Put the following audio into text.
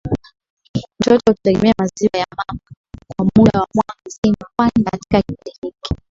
Mtoto hutegemea maziwa ya mama kwa muda wa mwaka mzima kwani katika kipindi hiki